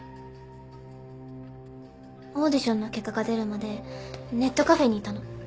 オーディションの結果が出るまでネットカフェにいたの。